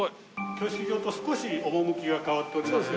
挙式場と少し趣が変わっておりますね。